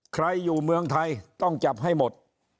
ใครอยู่เมืองไทยต้องจับให้หมด